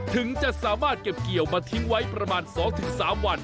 ถึงจะสามารถเก็บเกี่ยวมาทิ้งไว้ประมาณ๒๓วัน